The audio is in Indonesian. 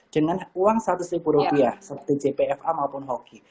dengan uang seratus ribu rupiah seperti jpfa maupun hoki